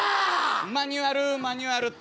マニュアルマニュアルっと。